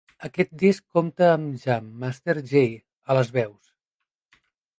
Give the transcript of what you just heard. Aquest disc compta amb Jam Master Jay a les veus.